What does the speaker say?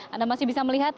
anda masih bisa melihat